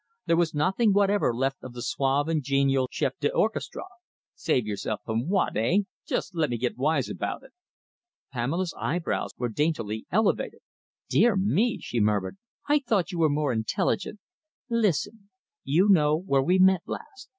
There was nothing whatever left of the suave and genial chef d'orchestra. "Save myself from what, eh? Just let me get wise about it." Pamela's eyebrows were daintily elevated. "Dear me!" she murmured. "I thought you were more intelligent. Listen. You know where we met last?